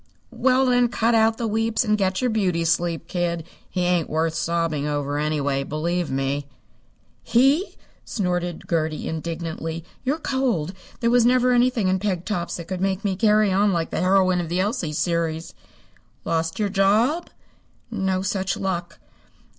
"Well, then, cut out the weeps and get your beauty sleep, kid. He ain't worth sobbing over, anyway, believe me." "He!" snorted Gertie indignantly. "You're cold. There never was anything in peg tops that could make me carry on like the heroine of the Elsie series." "Lost your job?" "No such luck."